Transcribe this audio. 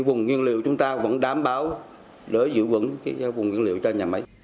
vùng nguyên liệu chúng ta vẫn đảm bảo để giữ vững vùng nguyên liệu cho nhà máy